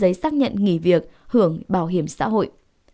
giấy xác nhận nghỉ việc hưởng bảo hiểm xã hội